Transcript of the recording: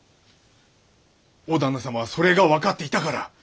大旦那様はそれが分かっていたから。